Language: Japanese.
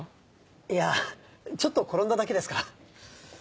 いやちょっと転んだだけですから。